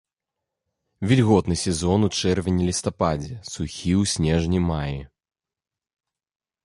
Вільготны сезон у чэрвені-лістападзе, сухі ў снежні-маі.